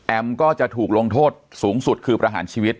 ก็จะถูกลงโทษสูงสุดคือประหารชีวิต